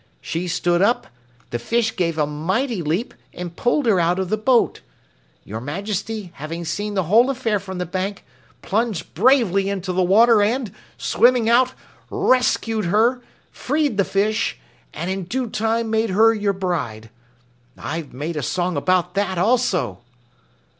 She stood up, the fish gave a mighty leap and pulled her out of the boat. Your Majesty, having seen the whole affair from the bank, plunged bravely into the water and, swimming out, rescued her, freed the fish, and in due time made her your bride. I've made a song about that, also."